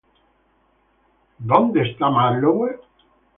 Where's Marlowe?